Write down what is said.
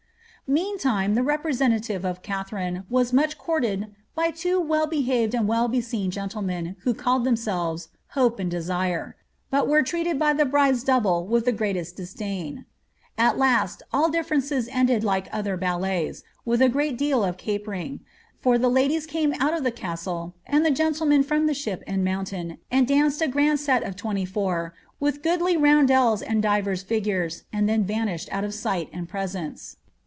Meantime the representative of Katharine was much courted ^ by two well behaved and well beseen gentlemen, who called themselves Hope and Desire;" but were treated by the bride's double with the greatest disdain. At last, all diflerences ended like other baUets, with a ^ TbiM term maaof thiej were dressed in new clothes or new fiishinni. KATHAEINC OF ARRAOOlf. 71 gmt deal of capering^ for the ladies came oat of the castle, and the gen demen from the ship and mountain, and danced a grand set of twenty fonr with ^ goodly roundels and divers figures, and then vanished out o^ light and presence.